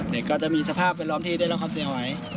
แต่ก็จะมีสภาพเป็นร้องที่ได้รับความเสียหวัย